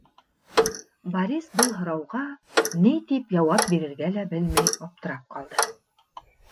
Борис был һорауға ни тип яуап бирергә лә белмәй аптырап ҡалды.